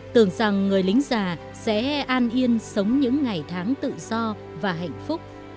tưởng rằng người lính già sẽ an yên sống những ngày tháng tự do và hạnh phúc